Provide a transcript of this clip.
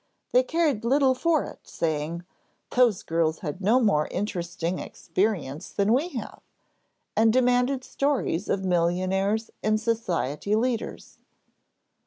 They cared little for it, saying, "Those girls had no more interesting experience than we have," and demanded stories of millionaires and society leaders.